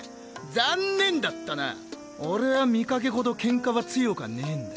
残念だったな俺は見かけほどケンカは強かねぇんだ。